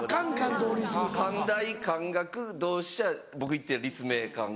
関大関学同志社僕行ってる立命館が。